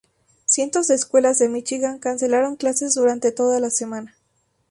Cientos de escuelas de Michigan cancelaron clases durante toda la semana.